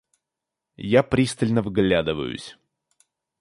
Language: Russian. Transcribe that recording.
Я пристально вглядываюсь.